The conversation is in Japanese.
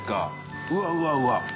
うわうわうわ。